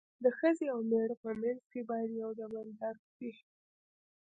د ښځې او مېړه په منځ کې باید یو د بل درک وي.